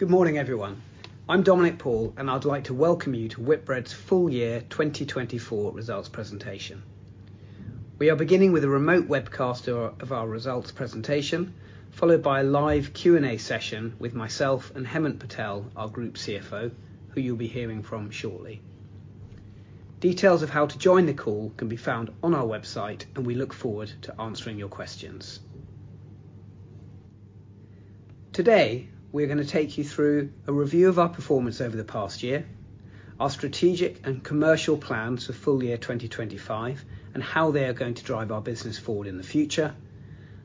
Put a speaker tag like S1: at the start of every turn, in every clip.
S1: Good morning, everyone. I'm Dominic Paul, and I'd like to welcome you to Whitbread's full-year 2024 results presentation. We are beginning with a remote webcast of our results presentation, followed by a live Q&A session with myself and Hemant Patel, our group CFO, who you'll be hearing from shortly. Details of how to join the call can be found on our website, and we look forward to answering your questions. Today we're going to take you through a review of our performance over the past year, our strategic and commercial plans for full-year 2025 and how they are going to drive our business forward in the future,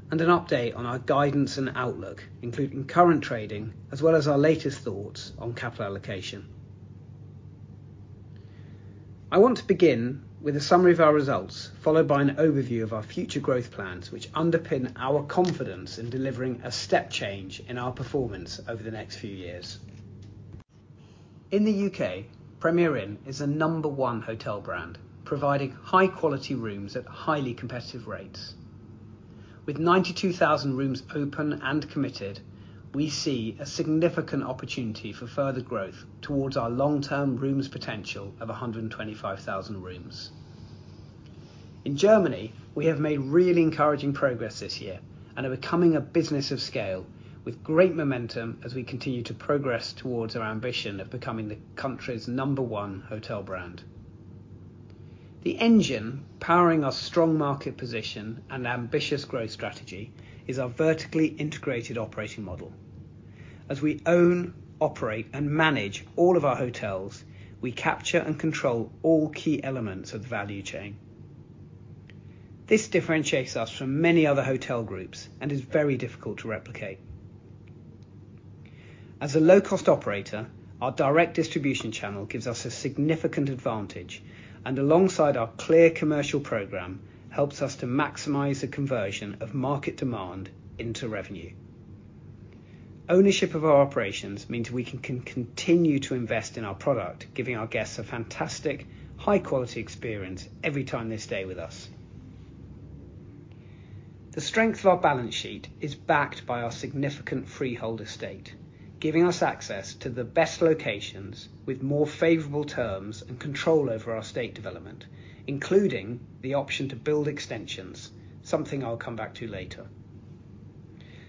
S1: and an update on our guidance and outlook, including current trading as well as our latest thoughts on capital allocation. I want to begin with a summary of our results, followed by an overview of our future growth plans which underpin our confidence in delivering a step change in our performance over the next few years. In the U.K., Premier Inn is a number one hotel brand, providing high-quality rooms at highly competitive rates. With 92,000 rooms open and committed, we see a significant opportunity for further growth towards our long-term rooms potential of 125,000 rooms. In Germany, we have made really encouraging progress this year and are becoming a business of scale, with great momentum as we continue to progress towards our ambition of becoming the country's number one hotel brand. The engine powering our strong market position and ambitious growth strategy is our vertically integrated operating model. As we own, operate, and manage all of our hotels, we capture and control all key elements of the value chain. This differentiates us from many other hotel groups and is very difficult to replicate. As a low-cost operator, our direct distribution channel gives us a significant advantage, and alongside our clear commercial program helps us to maximize the conversion of market demand into revenue. Ownership of our operations means we can continue to invest in our product, giving our guests a fantastic, high-quality experience every time they stay with us. The strength of our balance sheet is backed by our significant freehold estate, giving us access to the best locations with more favorable terms and control over our estate development, including the option to build extensions, something I'll come back to later.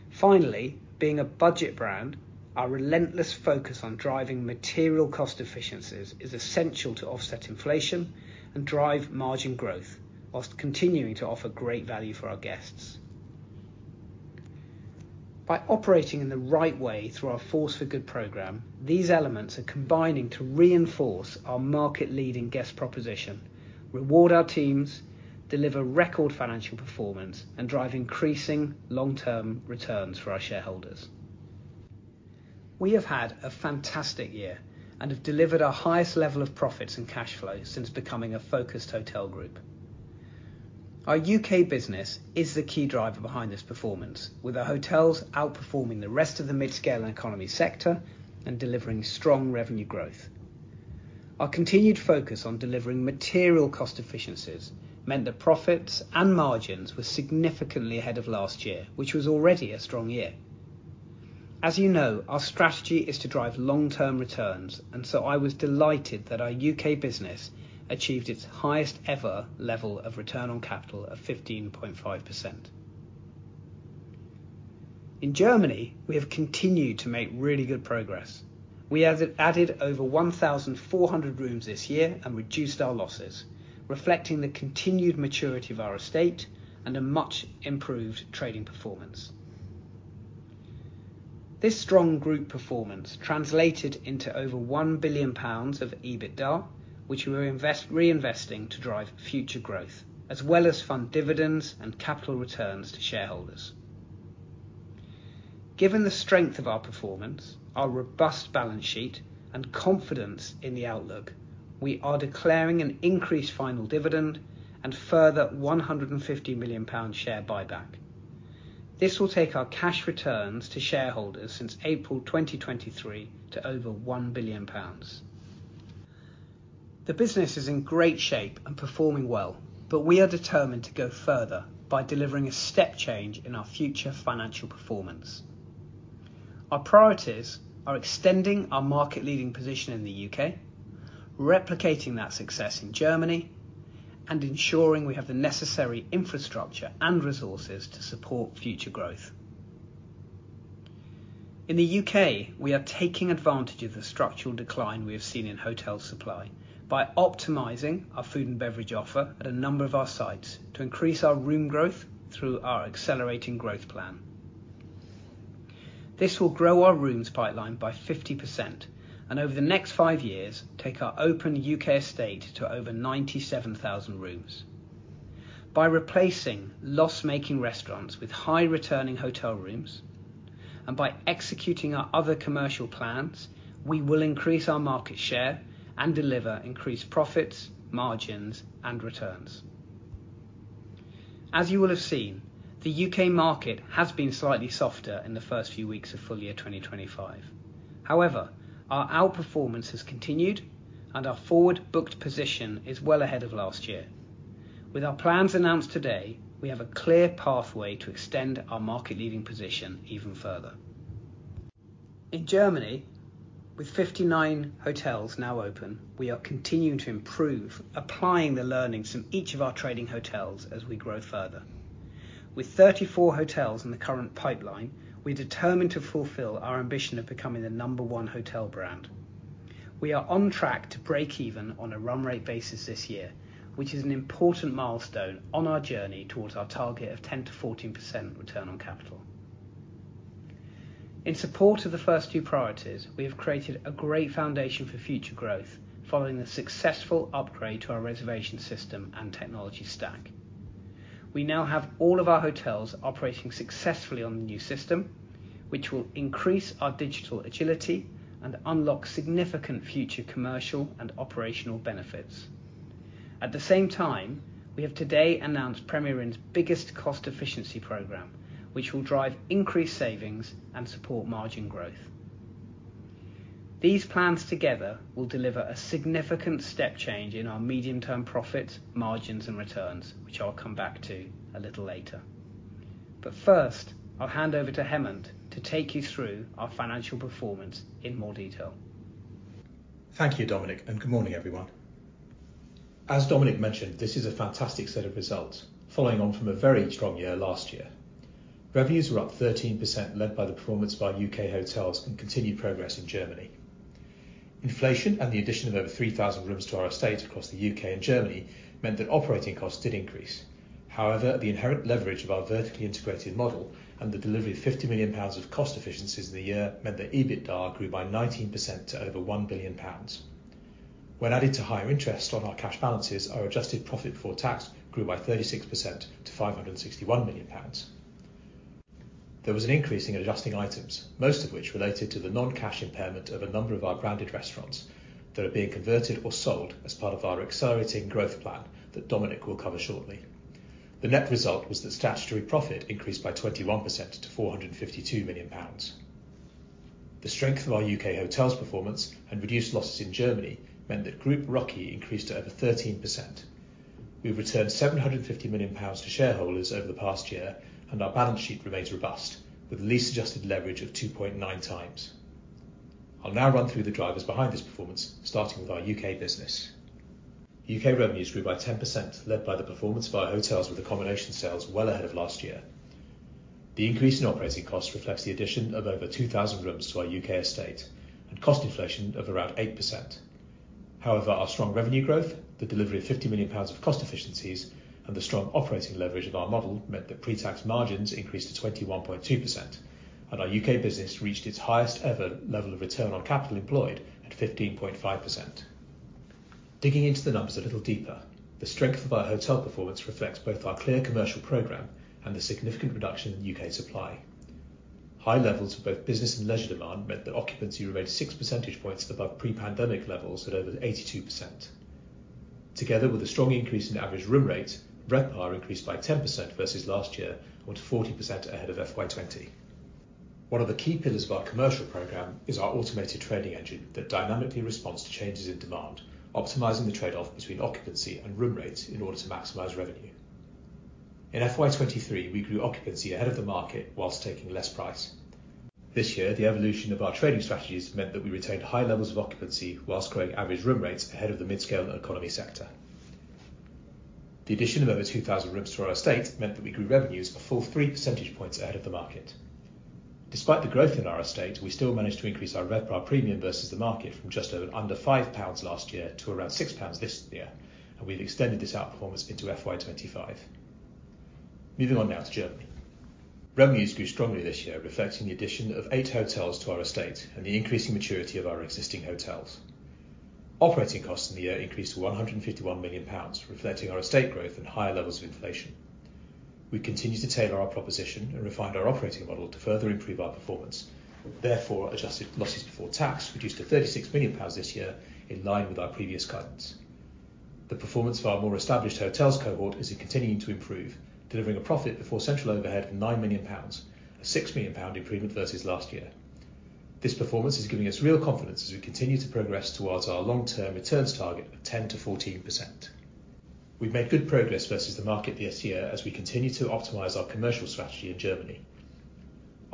S1: Finally, being a budget brand, our relentless focus on driving material cost efficiencies is essential to offset inflation and drive margin growth while continuing to offer great value for our guests. By operating in the right way through our Force for Good program, these elements are combining to reinforce our market-leading guest proposition, reward our teams, deliver record financial performance, and drive increasing long-term returns for our shareholders. We have had a fantastic year and have delivered our highest level of profits and cash flow since becoming a focused hotel group. Our U.K. business is the key driver behind this performance, with our hotels outperforming the rest of the mid-scale and economy sector and delivering strong revenue growth. Our continued focus on delivering material cost efficiencies meant that profits and margins were significantly ahead of last year, which was already a strong year. As you know, our strategy is to drive long-term returns, and so I was delighted that our U.K. business achieved its highest-ever level of return on capital of 15.5%. In Germany, we have continued to make really good progress. We added over 1,400 rooms this year and reduced our losses, reflecting the continued maturity of our estate and a much improved trading performance. This strong group performance translated into over 1 billion pounds of EBITDA, which we were reinvesting to drive future growth, as well as fund dividends and capital returns to shareholders. Given the strength of our performance, our robust balance sheet, and confidence in the outlook, we are declaring an increased final dividend and further 150 million pound share buyback. This will take our cash returns to shareholders since April 2023 to over 1 billion pounds. The business is in great shape and performing well, but we are determined to go further by delivering a step change in our future financial performance. Our priorities are extending our market-leading position in the U.K., replicating that success in Germany, and ensuring we have the necessary infrastructure and resources to support future growth. In the U.K., we are taking advantage of the structural decline we have seen in hotel supply by optimizing our food and beverage offer at a number of our sites to increase our room growth through our accelerating growth plan. This will grow our rooms pipeline by 50% and, over the next five years, take our open U.K. estate to over 97,000 rooms. By replacing loss-making restaurants with high-returning hotel rooms, and by executing our other commercial plans, we will increase our market share and deliver increased profits, margins, and returns. As you will have seen, the U.K. market has been slightly softer in the first few weeks of full-year 2025. However, our outperformance has continued, and our forward booked position is well ahead of last year. With our plans announced today, we have a clear pathway to extend our market-leading position even further. In Germany, with 59 hotels now open, we are continuing to improve, applying the learnings from each of our trading hotels as we grow further. With 34 hotels in the current pipeline, we are determined to fulfill our ambition of becoming the number one hotel brand. We are on track to break even on a run-rate basis this year, which is an important milestone on our journey towards our target of 10%-14% return on capital. In support of the first few priorities, we have created a great foundation for future growth following the successful upgrade to our reservation system and technology stack. We now have all of our hotels operating successfully on the new system, which will increase our digital agility and unlock significant future commercial and operational benefits. At the same time, we have today announced Premier Inn's biggest cost efficiency program, which will drive increased savings and support margin growth. These plans together will deliver a significant step change in our medium-term profits, margins, and returns, which I'll come back to a little later. But first, I'll hand over to Hemant to take you through our financial performance in more detail.
S2: Thank you, Dominic, and good morning, everyone. As Dominic mentioned, this is a fantastic set of results, following on from a very strong year last year. Revenues were up 13%, led by the performance by U.K. hotels and continued progress in Germany. Inflation and the addition of over 3,000 rooms to our estate across the U.K. and Germany meant that operating costs did increase. However, the inherent leverage of our vertically integrated model and the delivery of 50 million pounds of cost efficiencies in the year meant that EBITDA grew by 19% to over 1 billion pounds. When added to higher interest on our cash balances, our adjusted profit before tax grew by 36% to 561 million pounds. There was an increase in adjusting items, most of which related to the non-cash impairment of a number of our branded restaurants that are being converted or sold as part of our accelerating growth plan that Dominic will cover shortly. The net result was that statutory profit increased by 21% to 452 million pounds. The strength of our U.K. hotels' performance and reduced losses in Germany meant that Group ROCE increased to over 13%. We've returned 750 million pounds to shareholders over the past year, and our balance sheet remains robust, with the lowest adjusted leverage of 2.9x. I'll now run through the drivers behind this performance, starting with our U.K. business. U.K. revenues grew by 10%, led by the performance of our hotels with accommodation sales well ahead of last year. The increase in operating costs reflects the addition of over 2,000 rooms to our U.K. estate and cost inflation of around 8%. However, our strong revenue growth, the delivery of 50 million pounds of cost efficiencies, and the strong operating leverage of our model meant that pre-tax margins increased to 21.2%, and our U.K. business reached its highest-ever level of return on capital employed at 15.5%. Digging into the numbers a little deeper, the strength of our hotel performance reflects both our clear commercial program and the significant reduction in U.K. supply. High levels of both business and leisure demand meant that occupancy remained six percentage points above pre-pandemic levels at over 82%. Together with a strong increase in average room rates, RevPAR increased by 10% versus last year, to 40% ahead of FY20. One of the key pillars of our commercial program is our automated trading engine that dynamically responds to changes in demand, optimizing the trade-off between occupancy and room rates in order to maximize revenue. In FY23, we grew occupancy ahead of the market whilst taking less price. This year, the evolution of our trading strategies meant that we retained high levels of occupancy whilst growing average room rates ahead of the mid-scale and economy sector. The addition of over 2,000 rooms to our estate meant that we grew revenues a full three percentage points ahead of the market. Despite the growth in our estate, we still managed to increase our RevPAR premium versus the market from just over under 5 pounds last year to around 6 pounds this year, and we've extended this outperformance into FY25. Moving on now to Germany. Revenues grew strongly this year, reflecting the addition of eight hotels to our estate and the increasing maturity of our existing hotels. Operating costs in the year increased to 151 million pounds, reflecting our estate growth and higher levels of inflation. We continue to tailor our proposition and refine our operating model to further improve our performance. Therefore, adjusted losses before tax reduced to 36 million pounds this year, in line with our previous guidance. The performance of our more established hotels cohort is continuing to improve, delivering a profit before central overhead of 9 million pounds, a 6 million pound improvement versus last year. This performance is giving us real confidence as we continue to progress towards our long-term returns target of 10%-14%. We've made good progress versus the market this year as we continue to optimize our commercial strategy in Germany.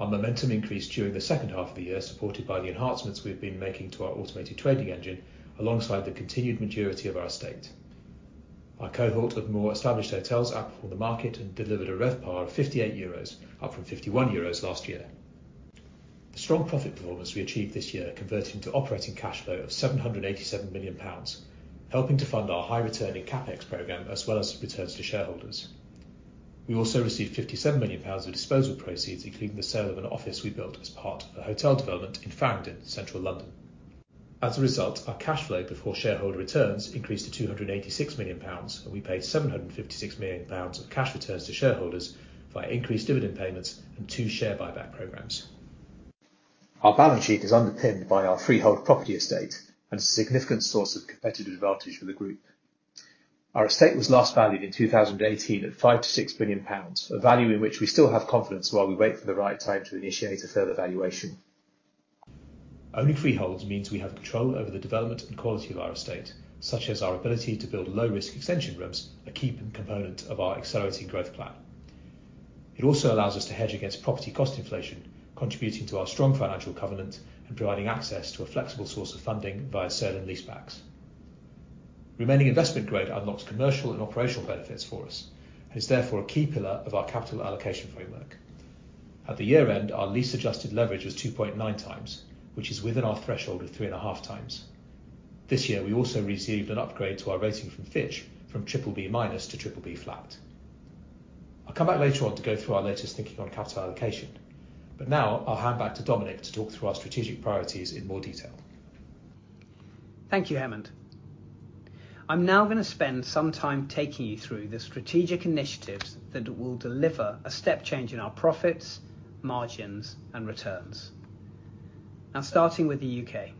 S2: Our momentum increased during the second half of the year, supported by the enhancements we've been making to our automated trading engine alongside the continued maturity of our estate. Our cohort of more established hotels outperformed the market and delivered a RevPAR of 58 euros, up from 51 euros last year. The strong profit performance we achieved this year converted into operating cash flow of 787 million pounds, helping to fund our high-returning CapEx program as well as returns to shareholders. We also received 57 million pounds of disposal proceeds, including the sale of an office we built as part of a hotel development in Farringdon, central London. As a result, our cash flow before shareholder returns increased to 286 million pounds, and we paid 756 million pounds of cash returns to shareholders via increased dividend payments and two share buyback programs. Our balance sheet is underpinned by our freehold property estate and is a significant source of competitive advantage for the group. Our estate was last valued in 2018 at 5 billion-6 billion pounds, a value in which we still have confidence while we wait for the right time to initiate a further valuation. Only freeholds mean we have control over the development and quality of our estate, such as our ability to build low-risk extension rooms, a key component of our accelerating growth plan. It also allows us to hedge against property cost inflation, contributing to our strong financial covenant and providing access to a flexible source of funding via certain leasebacks. Remaining investment grade unlocks commercial and operational benefits for us and is therefore a key pillar of our capital allocation framework. At the year-end, our lease-adjusted leverage was 2.9x, which is within our threshold of 3.5x. This year, we also received an upgrade to our rating from Fitch from BBB minus to BBB flat. I'll come back later on to go through our latest thinking on capital allocation, but now I'll hand back to Dominic to talk through our strategic priorities in more detail.
S1: Thank you, Hemant. I'm now going to spend some time taking you through the strategic initiatives that will deliver a step change in our profits, margins, and returns. Now, starting with the U.K..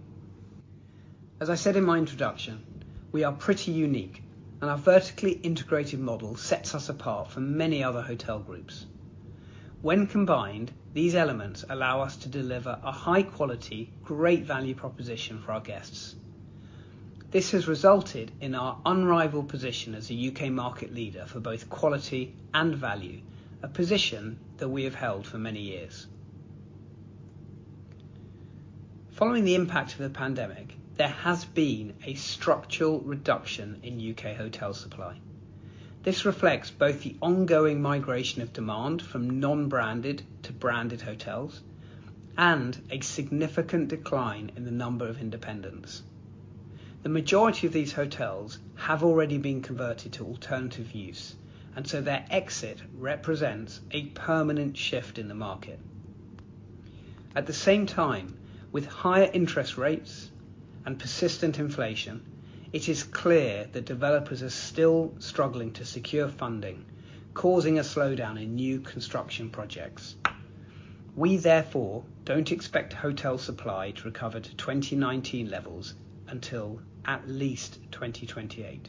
S1: As I said in my introduction, we are pretty unique, and our vertically integrated model sets us apart from many other hotel groups. When combined, these elements allow us to deliver a high-quality, great value proposition for our guests. This has resulted in our unrivaled position as a U.K. market leader for both quality and value, a position that we have held for many years. Following the impact of the pandemic, there has been a structural reduction in U.K. hotel supply. This reflects both the ongoing migration of demand from non-branded to branded hotels and a significant decline in the number of independents. The majority of these hotels have already been converted to alternative use, and so their exit represents a permanent shift in the market. At the same time, with higher interest rates and persistent inflation, it is clear that developers are still struggling to secure funding, causing a slowdown in new construction projects. We, therefore, don't expect hotel supply to recover to 2019 levels until at least 2028.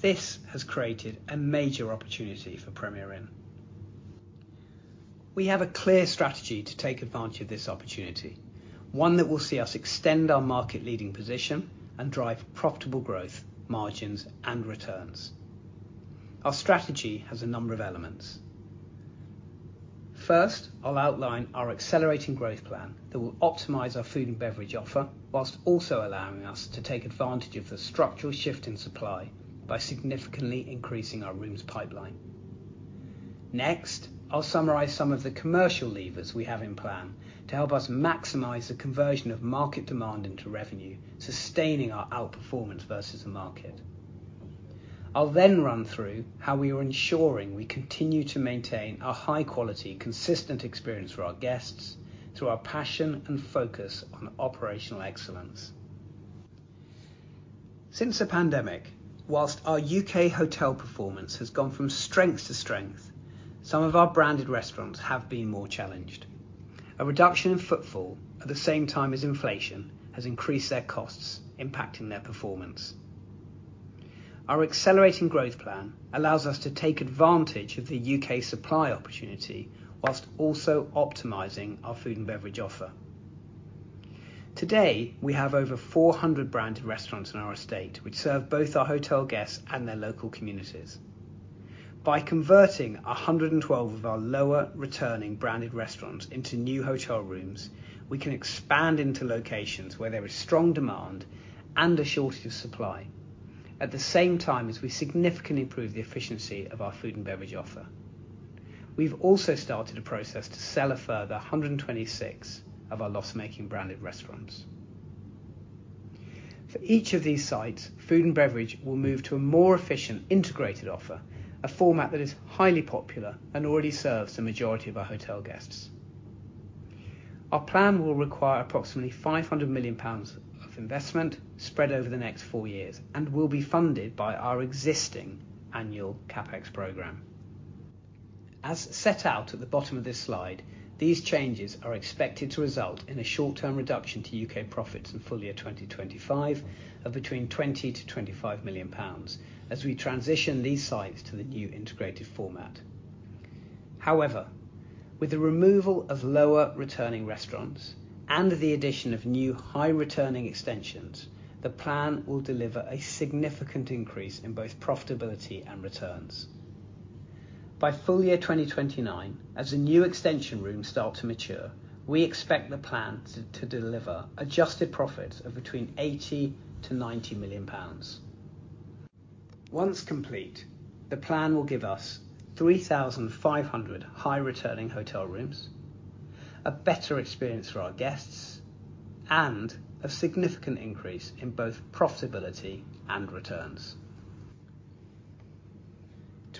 S1: This has created a major opportunity for Premier Inn. We have a clear strategy to take advantage of this opportunity, one that will see us extend our market-leading position and drive profitable growth, margins, and returns. Our strategy has a number of elements. First, I'll outline our accelerating growth plan that will optimize our food and beverage offer while also allowing us to take advantage of the structural shift in supply by significantly increasing our rooms pipeline. Next, I'll summarize some of the commercial levers we have in plan to help us maximize the conversion of market demand into revenue, sustaining our outperformance versus the market. I'll then run through how we are ensuring we continue to maintain our high-quality, consistent experience for our guests through our passion and focus on operational excellence. Since the pandemic, while our U.K. hotel performance has gone from strength to strength, some of our branded restaurants have been more challenged. A reduction in footfall at the same time as inflation has increased their costs, impacting their performance. Our accelerating growth plan allows us to take advantage of the U.K. supply opportunity while also optimizing our food and beverage offer. Today, we have over 400 branded restaurants in our estate, which serve both our hotel guests and their local communities. By converting 112 of our lower-returning branded restaurants into new hotel rooms, we can expand into locations where there is strong demand and a shortage of supply, at the same time as we significantly improve the efficiency of our food and beverage offer. We've also started a process to sell a further 126 of our loss-making branded restaurants. For each of these sites, food and beverage will move to a more efficient, integrated offer, a format that is highly popular and already serves the majority of our hotel guests. Our plan will require approximately 500 million pounds of investment spread over the next four years and will be funded by our existing annual CapEx program. As set out at the bottom of this slide, these changes are expected to result in a short-term reduction to U.K. profits in full year 2025 of between 20 million-25 million pounds as we transition these sites to the new integrated format. However, with the removal of lower-returning restaurants and the addition of new high-returning extensions, the plan will deliver a significant increase in both profitability and returns. By full year 2029, as the new extension rooms start to mature, we expect the plan to deliver adjusted profits of between 80 million-90 million pounds. Once complete, the plan will give us 3,500 high-returning hotel rooms, a better experience for our guests, and a significant increase in both profitability and returns.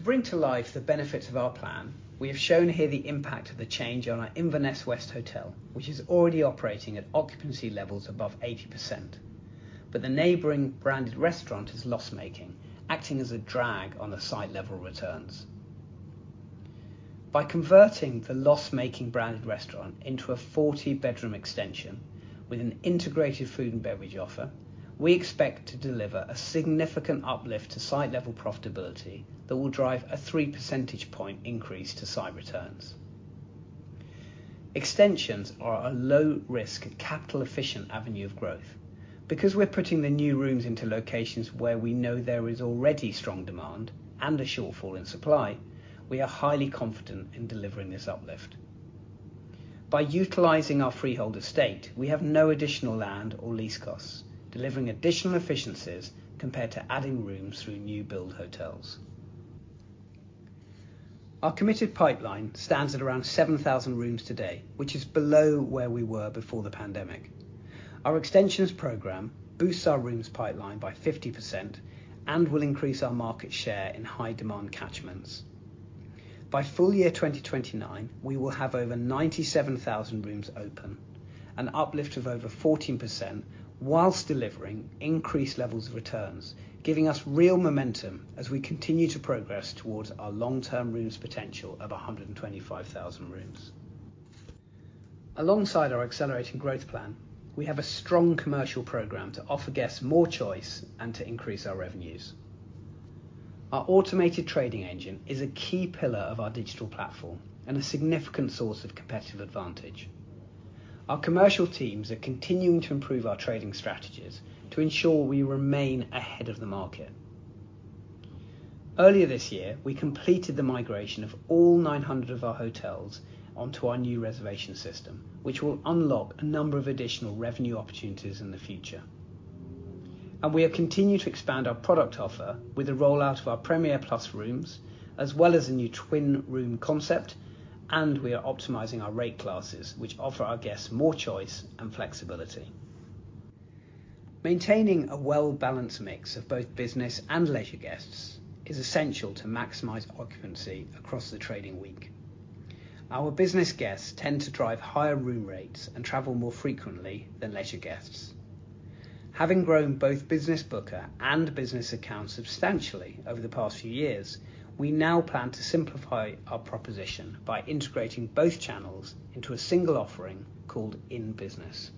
S1: To bring to life the benefits of our plan, we have shown here the impact of the change on our Inverness West Hotel, which is already operating at occupancy levels above 80%, but the neighboring branded restaurant is loss-making, acting as a drag on the site-level returns. By converting the loss-making branded restaurant into a 40-bedroom extension with an integrated food and beverage offer, we expect to deliver a significant uplift to site-level profitability that will drive a three percentage point increase to site returns. Extensions are a low-risk, capital-efficient avenue of growth. Because we're putting the new rooms into locations where we know there is already strong demand and a shortfall in supply, we are highly confident in delivering this uplift. By utilizing our freehold estate, we have no additional land or lease costs, delivering additional efficiencies compared to adding rooms through new-build hotels. Our committed pipeline stands at around 7,000 rooms today, which is below where we were before the pandemic. Our extensions program boosts our rooms pipeline by 50% and will increase our market share in high-demand catchments. By full year 2029, we will have over 97,000 rooms open, an uplift of over 14% whilst delivering increased levels of returns, giving us real momentum as we continue to progress towards our long-term rooms potential of 125,000 rooms. Alongside our accelerating growth plan, we have a strong commercial program to offer guests more choice and to increase our revenues. Our automated trading engine is a key pillar of our digital platform and a significant source of competitive advantage. Our commercial teams are continuing to improve our trading strategies to ensure we remain ahead of the market. Earlier this year, we completed the migration of all 900 of our hotels onto our new reservation system, which will unlock a number of additional revenue opportunities in the future. We are continuing to expand our product offer with the rollout of our Premier Plus rooms, as well as a new twin-room concept, and we are optimizing our rate classes, which offer our guests more choice and flexibility. Maintaining a well-balanced mix of both business and leisure guests is essential to maximize occupancy across the trading week. Our business guests tend to drive higher room rates and travel more frequently than leisure guests. Having grown both Business Booker and Business Account substantially over the past few years, we now plan to simplify our proposition by integrating both channels into a single offering called In Business.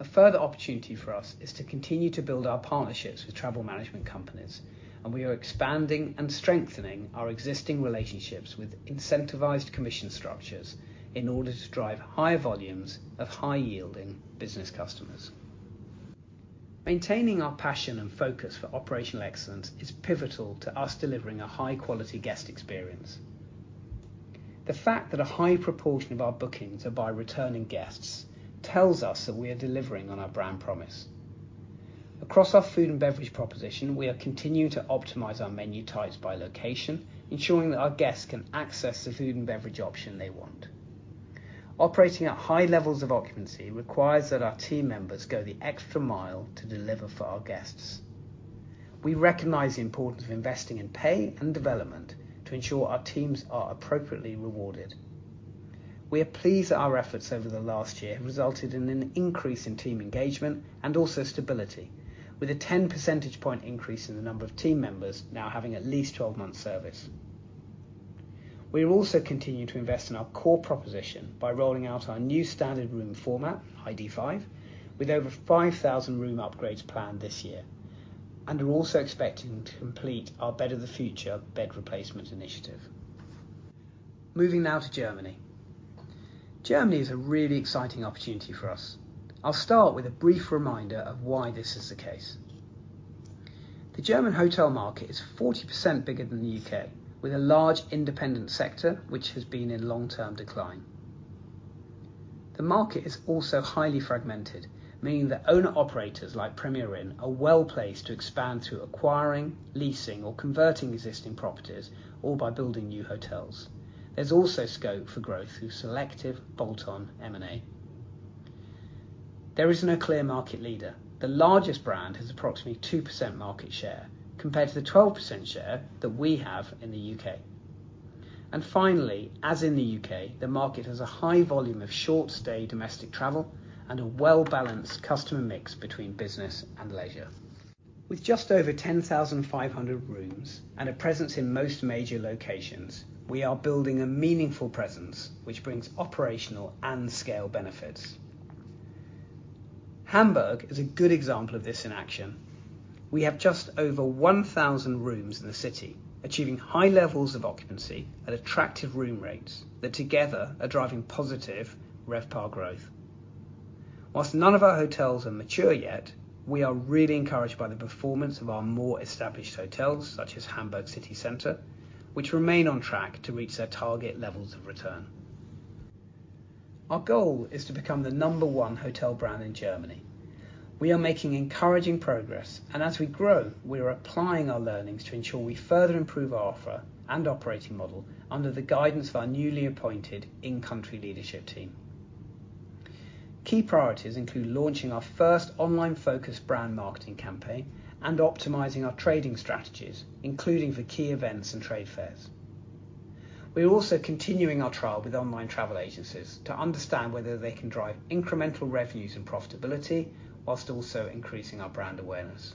S1: A further opportunity for us is to continue to build our partnerships with travel management companies, and we are expanding and strengthening our existing relationships with incentivized commission structures in order to drive higher volumes of high-yielding business customers. Maintaining our passion and focus for operational excellence is pivotal to us delivering a high-quality guest experience. The fact that a high proportion of our bookings are by returning guests tells us that we are delivering on our brand promise. Across our food and beverage proposition, we are continuing to optimize our menu types by location, ensuring that our guests can access the food and beverage option they want. Operating at high levels of occupancy requires that our team members go the extra mile to deliver for our guests. We recognize the importance of investing in pay and development to ensure our teams are appropriately rewarded. We are pleased that our efforts over the last year have resulted in an increase in team engagement and also stability, with a 10 percentage point increase in the number of team members now having at least 12 months service. We are also continuing to invest in our core proposition by rolling out our new standard room format, ID5, with over 5,000 room upgrades planned this year, and are also expecting to complete our Bed of the Future bed replacement initiative. Moving now to Germany. Germany is a really exciting opportunity for us. I'll start with a brief reminder of why this is the case. The German hotel market is 40% bigger than the U.K., with a large independent sector which has been in long-term decline. The market is also highly fragmented, meaning that owner-operators like Premier Inn are well placed to expand through acquiring, leasing, or converting existing properties, or by building new hotels. There's also scope for growth through selective bolt-on M&A. There is no clear market leader. The largest brand has approximately 2% market share compared to the 12% share that we have in the U.K. And finally, as in the U.K., the market has a high volume of short-stay domestic travel and a well-balanced customer mix between business and leisure. With just over 10,500 rooms and a presence in most major locations, we are building a meaningful presence which brings operational and scale benefits. Hamburg is a good example of this in action. We have just over 1,000 rooms in the city, achieving high levels of occupancy and attractive room rates that together are driving positive RevPAR growth. While none of our hotels are mature yet, we are really encouraged by the performance of our more established hotels such as Hamburg City Centre, which remain on track to reach their target levels of return. Our goal is to become the number one hotel brand in Germany. We are making encouraging progress, and as we grow, we are applying our learnings to ensure we further improve our offer and operating model under the guidance of our newly appointed in-country leadership team. Key priorities include launching our first online-focused brand marketing campaign and optimizing our trading strategies, including for key events and trade fairs. We are also continuing our trial with online travel agencies to understand whether they can drive incremental revenues and profitability while also increasing our brand awareness.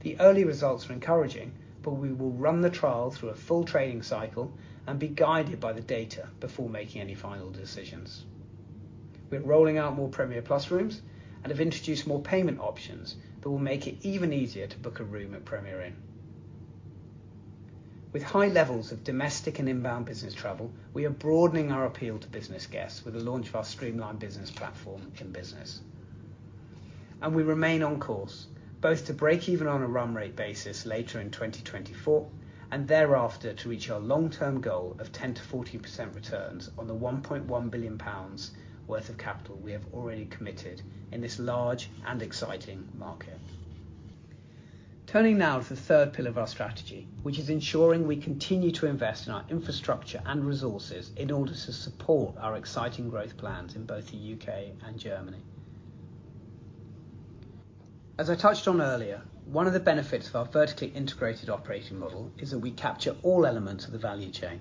S1: The early results are encouraging, but we will run the trial through a full trading cycle and be guided by the data before making any final decisions. We're rolling out more Premier Plus rooms and have introduced more payment options that will make it even easier to book a room at Premier Inn. With high levels of domestic and inbound business travel, we are broadening our appeal to business guests with the launch of our streamlined business platform, In Business. We remain on course, both to break even on a run-rate basis later in 2024 and thereafter to reach our long-term goal of 10%-14% returns on the 1.1 billion pounds worth of capital we have already committed in this large and exciting market. Turning now to the third pillar of our strategy, which is ensuring we continue to invest in our infrastructure and resources in order to support our exciting growth plans in both the U.K. and Germany. As I touched on earlier, one of the benefits of our vertically integrated operating model is that we capture all elements of the value chain.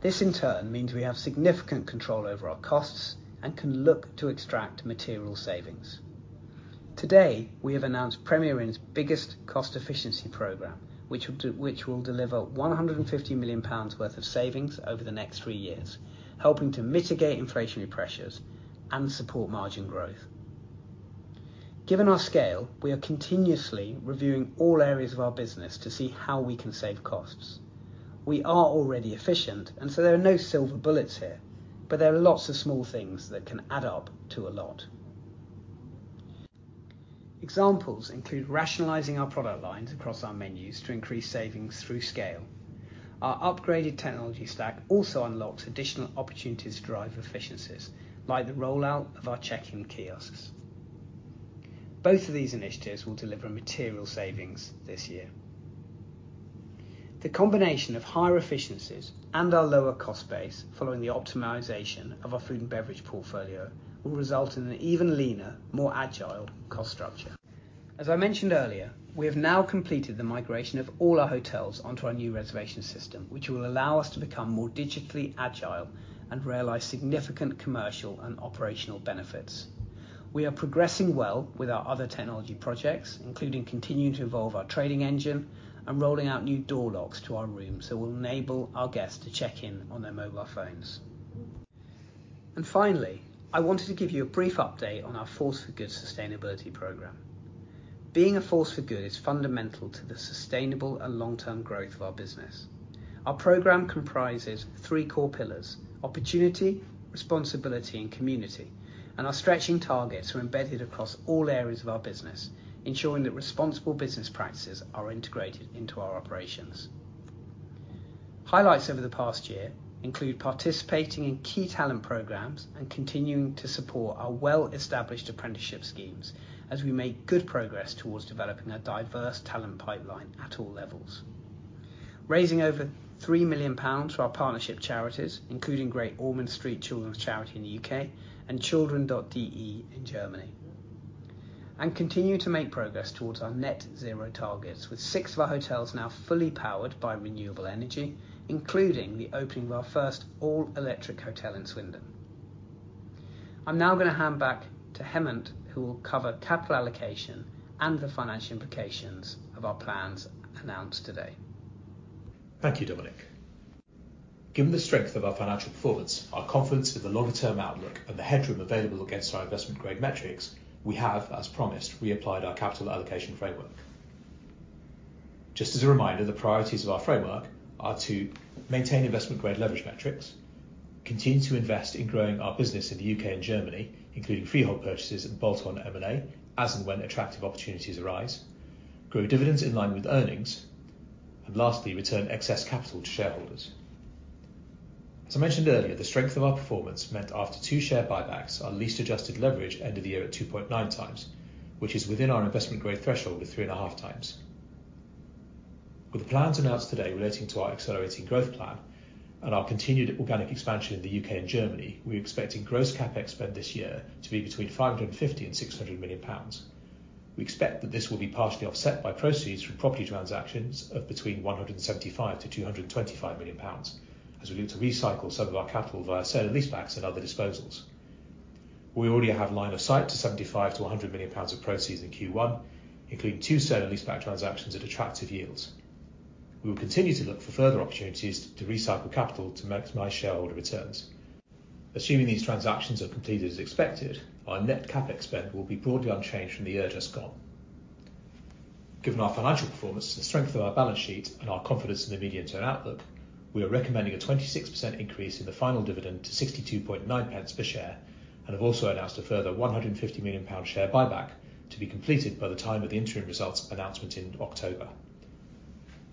S1: This, in turn, means we have significant control over our costs and can look to extract material savings. Today, we have announced Premier Inn's biggest cost-efficiency program, which will deliver 150 million pounds worth of savings over the next three years, helping to mitigate inflationary pressures and support margin growth. Given our scale, we are continuously reviewing all areas of our business to see how we can save costs. We are already efficient, and so there are no silver bullets here, but there are lots of small things that can add up to a lot. Examples include rationalizing our product lines across our menus to increase savings through scale. Our upgraded technology stack also unlocks additional opportunities to drive efficiencies, like the rollout of our check-in kiosks. Both of these initiatives will deliver material savings this year. The combination of higher efficiencies and our lower cost base following the optimization of our food and beverage portfolio will result in an even leaner, more agile cost structure. As I mentioned earlier, we have now completed the migration of all our hotels onto our new reservation system, which will allow us to become more digitally agile and realize significant commercial and operational benefits. We are progressing well with our other technology projects, including continuing to evolve our trading engine and rolling out new door locks to our rooms that will enable our guests to check in on their mobile phones. Finally, I wanted to give you a brief update on our Force for Good sustainability program. Being a force for good is fundamental to the sustainable and long-term growth of our business. Our program comprises three core pillars: opportunity, responsibility, and community, and our stretching targets are embedded across all areas of our business, ensuring that responsible business practices are integrated into our operations. Highlights over the past year include participating in key talent programs and continuing to support our well-established apprenticeship schemes as we make good progress towards developing a diverse talent pipeline at all levels. Raising over 3 million pounds for our partnership charities, including Great Ormond Street Children's Charity in the U.K. and Children.de in Germany. Continuing to make progress towards our net-zero targets, with six of our hotels now fully powered by renewable energy, including the opening of our first all-electric hotel in Swindon. I'm now going to hand back to Hemant, who will cover capital allocation and the financial implications of our plans announced today.
S2: Thank you, Dominic. Given the strength of our financial performance, our confidence with the longer-term outlook, and the headroom available against our investment-grade metrics, we have, as promised, reapplied our capital allocation framework. Just as a reminder, the priorities of our framework are to: maintain investment-grade leverage metrics; continue to invest in growing our business in the U.K. and Germany, including freehold purchases and bolt-on M&A as and when attractive opportunities arise; grow dividends in line with earnings; and lastly, return excess capital to shareholders. As I mentioned earlier, the strength of our performance meant after two share buybacks, our net adjusted leverage ended the year at 2.9x, which is within our investment-grade threshold of 3.5x. With the plans announced today relating to our accelerating growth plan and our continued organic expansion in the U.K. and Germany, we are expecting gross CapEx this year to be between 550 million and 600 million pounds. We expect that this will be partially offset by proceeds from property transactions of between 175 million-225 million pounds as we look to recycle some of our capital via sale and leasebacks and other disposals. We already have line of sight to 75 million-100 million pounds of proceeds in Q1, including two sale and leaseback transactions at attractive yields. We will continue to look for further opportunities to recycle capital to maximize shareholder returns. Assuming these transactions are completed as expected, our net CapEx will be broadly unchanged from the year just gone. Given our financial performance, the strength of our balance sheet, and our confidence in the medium-term outlook, we are recommending a 26% increase in the final dividend to 0.62 per share and have also announced a further 150 million pound share buyback to be completed by the time of the interim results announcement in October.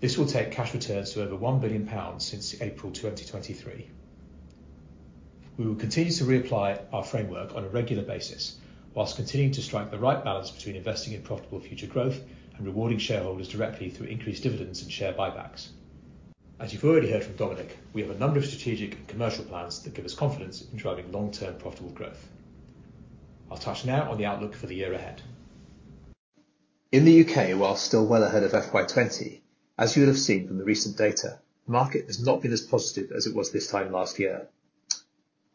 S2: This will take cash returns to over 1 billion pounds since April 2023. We will continue to reapply our framework on a regular basis whilst continuing to strike the right balance between investing in profitable future growth and rewarding shareholders directly through increased dividends and share buybacks. As you've already heard from Dominic, we have a number of strategic and commercial plans that give us confidence in driving long-term profitable growth. I'll touch now on the outlook for the year ahead. In the U.K., whilst still well ahead of FY2020, as you will have seen from the recent data, the market has not been as positive as it was this time last year.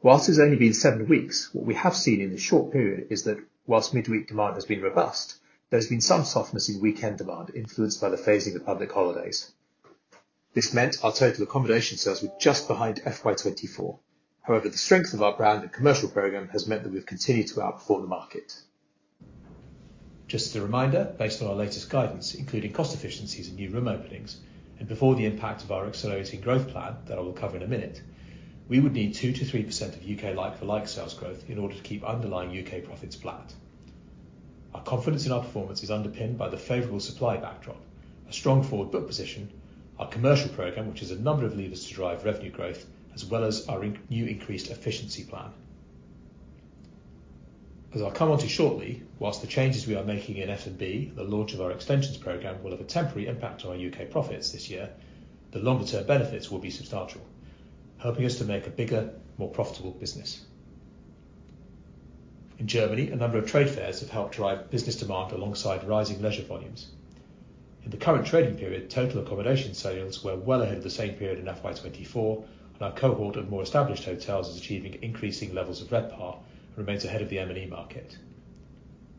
S2: Whilst it has only been seven weeks, what we have seen in this short period is that whilst midweek demand has been robust, there has been some softness in weekend demand influenced by the phasing of public holidays. This meant our total accommodation sales were just behind FY2024. However, the strength of our brand and commercial program has meant that we have continued to outperform the market. Just as a reminder, based on our latest guidance, including cost efficiencies and new room openings, and before the impact of our accelerating growth plan that I will cover in a minute, we would need 2%-3% of U.K. like-for-like sales growth in order to keep underlying U.K. profits flat. Our confidence in our performance is underpinned by the favorable supply backdrop, a strong forward book position, our commercial program, which has a number of levers to drive revenue growth, as well as our new increased efficiency plan. As I'll come on to shortly, whilst the changes we are making in F&B, the launch of our extensions programme, will have a temporary impact on our U.K. profits this year, the longer-term benefits will be substantial, helping us to make a bigger, more profitable business. In Germany, a number of trade fairs have helped drive business demand alongside rising leisure volumes. In the current trading period, total accommodation sales were well ahead of the same period in FY 2024, and our cohort of more established hotels is achieving increasing levels of RevPAR and remains ahead of the M&E market.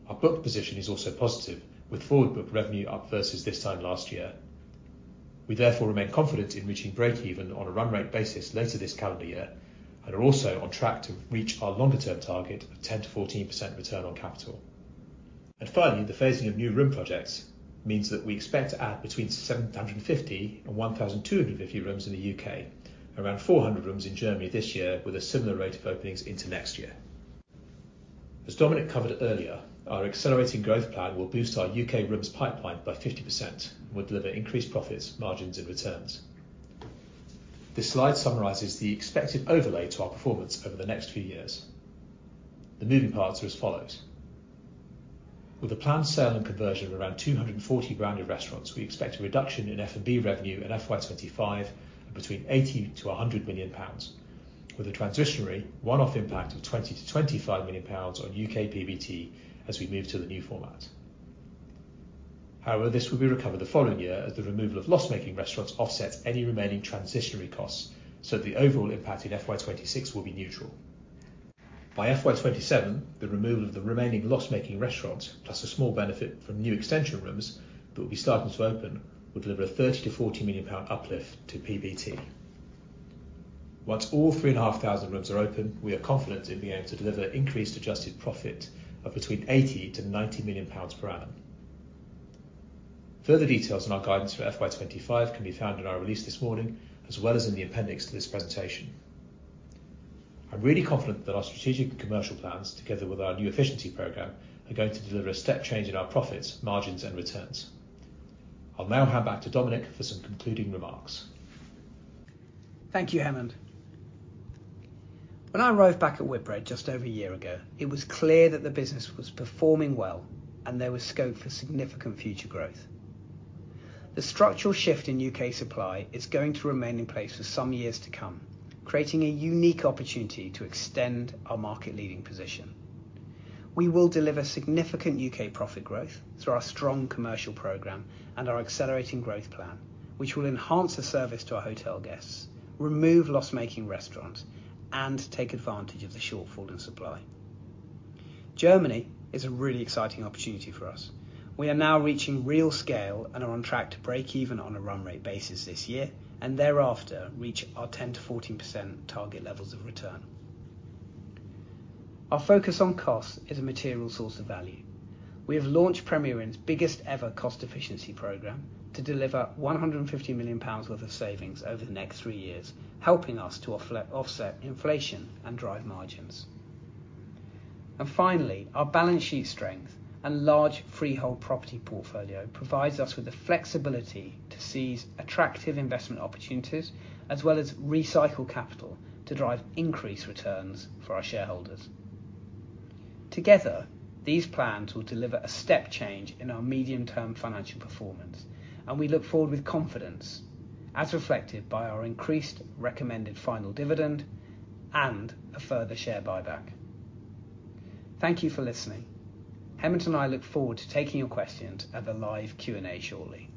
S2: Our book position is also positive, with forward book revenue up versus this time last year. We therefore remain confident in reaching break-even on a run-rate basis later this calendar year and are also on track to reach our longer-term target of 10%-14% return on capital. Finally, the phasing of new room projects means that we expect to add between 750 and 1,250 rooms in the U.K., around 400 rooms in Germany this year with a similar rate of openings into next year. As Dominic covered earlier, our accelerating growth plan will boost our U.K. rooms pipeline by 50% and will deliver increased profits, margins, and returns. This slide summarizes the expected overlay to our performance over the next few years. The moving parts are as follows. With a planned sale and conversion of around 240 branded restaurants, we expect a reduction in F&B revenue in FY2025 of between 80-100 million pounds, with a transitory one-off impact of 20-25 million pounds on U.K. PBT as we move to the new format. However, this will be recovered the following year as the removal of loss-making restaurants offsets any remaining transitional costs so that the overall impact in FY2026 will be neutral. By FY2027, the removal of the remaining loss-making restaurants plus a small benefit from new extension rooms that will be starting to open will deliver a 30 million-40 million pound uplift to PBT. Once all 3,500 rooms are open, we are confident in being able to deliver increased adjusted profit of between 80 million-90 million pounds per annum. Further details on our guidance for FY2025 can be found in our release this morning, as well as in the appendix to this presentation. I'm really confident that our strategic and commercial plans, together with our new efficiency program, are going to deliver a step change in our profits, margins, and returns. I'll now hand back to Dominic for some concluding remarks.
S1: Thank you, Hemant. When I arrived back at Whitbread just over a year ago, it was clear that the business was performing well and there was scope for significant future growth. The structural shift in U.K. supply is going to remain in place for some years to come, creating a unique opportunity to extend our market-leading position. We will deliver significant U.K. profit growth through our strong commercial programme and our accelerating growth plan, which will enhance the service to our hotel guests, remove loss-making restaurants, and take advantage of the shortfall in supply. Germany is a really exciting opportunity for us. We are now reaching real scale and are on track to break-even on a run-rate basis this year and thereafter reach our 10%-14% target levels of return. Our focus on costs is a material source of value. We have launched Premier Inn's biggest-ever cost-efficiency program to deliver 150 million pounds worth of savings over the next three years, helping us to offset inflation and drive margins. Finally, our balance sheet strength and large freehold property portfolio provides us with the flexibility to seize attractive investment opportunities as well as recycle capital to drive increased returns for our shareholders. Together, these plans will deliver a step change in our medium-term financial performance, and we look forward with confidence, as reflected by our increased recommended final dividend and a further share buyback. Thank you for listening. Hemant and I look forward to taking your questions at the live Q&A shortly.